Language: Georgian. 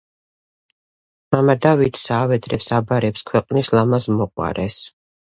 მამადავითსა ავედრებს აბარებს ქვეყნის ლამაზ მოყვარეს.